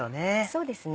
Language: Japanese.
そうですね。